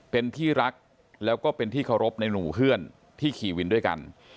เป็นที่รักแล้วก็เป็นที่เคารพในหมู่เพื่อนที่ขี่วินด้วยกัน